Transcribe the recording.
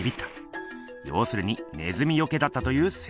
要するにネズミよけだったという説！